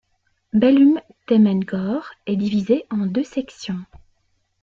Belum-Temenggor est divisé en deux sections.